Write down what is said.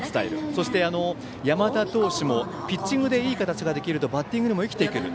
そして、山田投手もピッチングでいい形ができるとバッティングにも生きてくる。